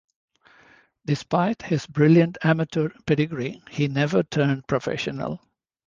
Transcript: Despite his brilliant amateur pedigree, he never turned professional.